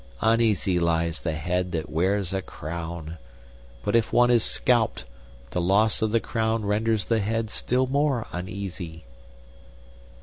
Uneasy lies the head that wears a crown! but if one is scalped, the loss of the crown renders the head still more uneasy."